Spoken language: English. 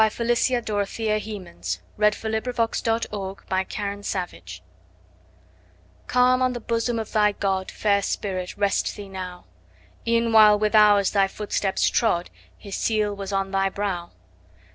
Felicia Dorothea Hemans. 1793–1835 622. Dirge CALM on the bosom of thy God, Fair spirit, rest thee now! E'en while with ours thy footsteps trod, His seal was on thy brow.